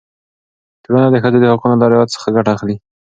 ټولنه د ښځو د حقونو له رعایت څخه ګټه اخلي.